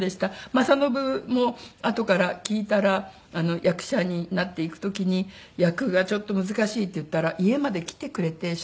政伸もあとから聞いたら役者になっていく時に「役がちょっと難しい」と言ったら家まで来てくれて笑